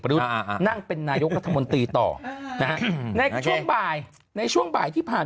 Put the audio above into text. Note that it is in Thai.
พลเอกนั่งเป็นนายกละมต่อในช่วงบ่ายในช่วงบ่ายที่ผ่าน